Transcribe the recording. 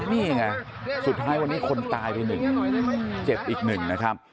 นี่ไงสุดท้ายวันนี้คนตายไปหนึ่งเจ็บอีกหนึ่งนะครับ